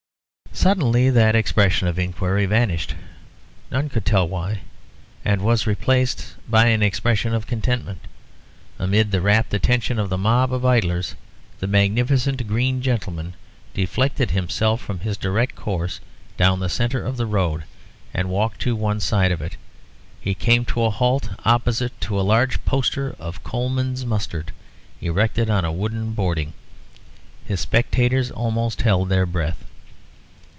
Suddenly that expression of inquiry vanished, none could tell why, and was replaced by an expression of contentment. Amid the rapt attention of the mob of idlers, the magnificent green gentleman deflected himself from his direct course down the centre of the road and walked to one side of it. He came to a halt opposite to a large poster of Colman's Mustard erected on a wooden hoarding. His spectators almost held their breath.